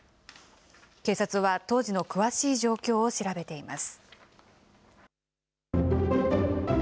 警察は当時の詳しい状況を調べています。